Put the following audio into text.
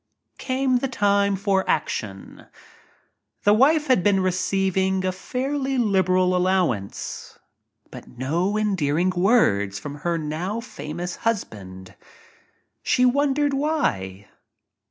Came then time for action. The wife had been ., THE "GOLD DIGGER" 45 V receiving a fairly liberal allowance/but no endearing words from her now famous husband. She wondered why.